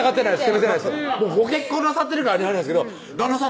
ご結婚なさってるからあれなんですけど旦那さん